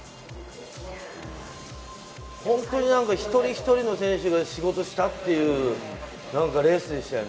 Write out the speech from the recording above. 本当に一人一人の選手が仕事したっていうレースでしたよね。